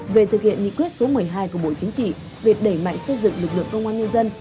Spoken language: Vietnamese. về thực hiện nghị quyết số một mươi hai của bộ chính trị về đẩy mạnh xây dựng lực lượng công an nhân dân